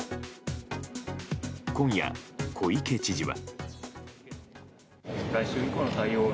今夜、小池知事は。